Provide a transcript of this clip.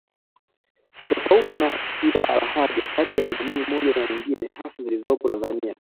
Tofauti za kilahaja kati ya jamii moja na nyingine hasa zilizopo Tanzania